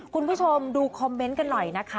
คุณผู้ชมดูคอมเมนต์กันหน่อยนะคะ